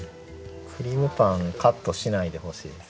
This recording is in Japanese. クリームパンカットしないでほしいです。